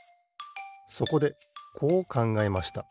そこでこうかんがえました。